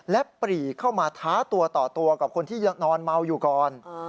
และปรีเข้ามาท้าตัวต่อตัวกับคนที่นอนเมาอยู่ก่อน